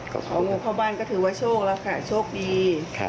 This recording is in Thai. ก็ของูเข้าบ้านก็ถือว่าโชคแล้วค่ะโชคดี